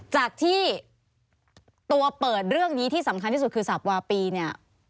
จากที่ตัวเปิดเรื่องนี้ที่สำคัญที่สุดคือสับวาปีเนี่ย